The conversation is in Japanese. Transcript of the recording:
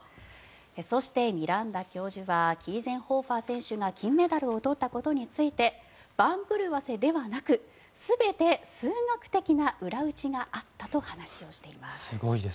そして、ミランダ教授はキーゼンホーファー選手が金メダルを取ったことについて番狂わせではなく全て数学的な裏打ちがあったと話をしています。